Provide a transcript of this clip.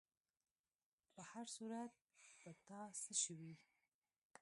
په هر صورت، په تا څه شوي؟